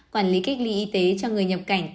quản lý cách ly y tế cho người nhập cảnh